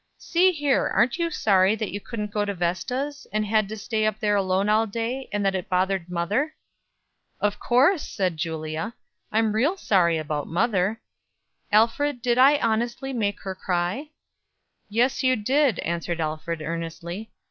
"See here, aren't you sorry that you couldn't go to Vesta's, and had to stay up there alone all day, and that it bothered mother?" "Of course," said Julia, "I'm real sorry about mother. Alfred, did I, honestly, make her cry?" "Yes, you did," Alfred answered, earnestly.